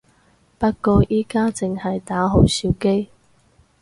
不過而家淨係打好少機